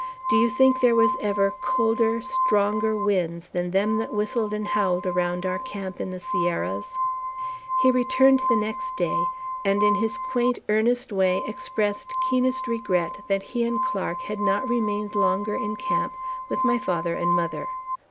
Do you think there was ever colder, stronger winds than them that whistled and howled around our camp in the Sierras?" He returned the next day, and in his quaint, earnest way expressed keenest regret that he and Clark had not remained longer in camp with my father and mother.